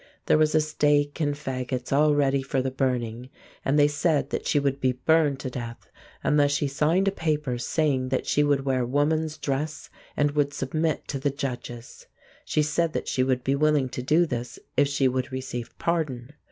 There was a stake and faggots all ready for the burning, and they said that she would be burned to death unless she signed a paper saying that she would wear woman's dress and would submit to the judges. She said that she would be willing to do this if she would receive pardon.